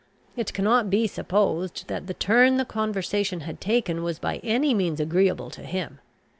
It cannot be supposed that the turn the conversation had taken was by any means agreeable to him.